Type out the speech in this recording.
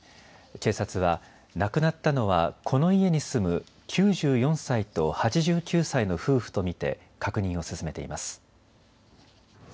警察は亡くなったのはこの家に住む９４歳と８９歳の夫婦と見て確認を進めています。